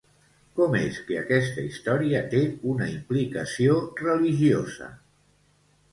Com és que aquesta història té una implicació religiosa?